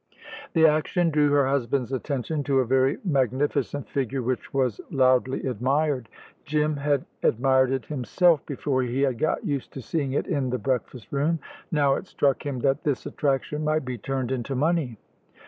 The action drew her husband's attention to a very magnificent figure which was loudly admired. Jim had admired it himself before he had got used to seeing it in the breakfast room. Now it struck him that this attraction might be turned into money.